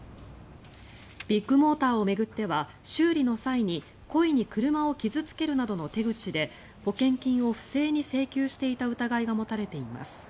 ビッグモーターを巡っては修理の際に故意に車を傷付けるなどの手口で保険金を不正に請求していた疑いが持たれています。